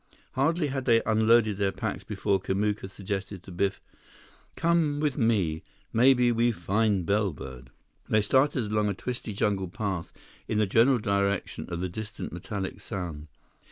Hardly had they unloaded their packs before Kamuka suggested to Biff, "Come with me. Maybe we find bellbird." They started along a twisty jungle path in the general direction of the distant metallic sound.